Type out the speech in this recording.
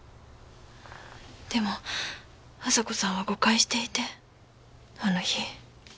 でも亜沙子さんは誤解していてあの日。